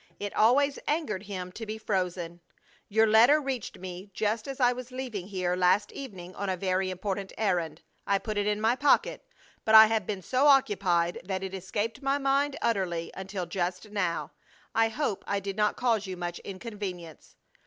It always angered him to be frozen! "Your letter reached me just as I was leaving here last evening on a very important errand. I put it in my pocket, but I have been so occupied that it escaped my mind utterly until just now. I hope I did not cause you much inconvenience."